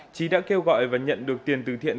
trí đã kêu gọi và nhận được tiền từ thiện